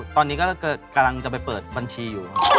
ตอนนี้ก็กำลังจะไปเปิดบัญชีอยู่